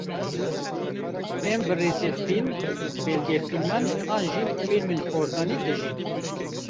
em bi rêzefîlim, belge fîliman an bi fîlmên qartonî dijîn.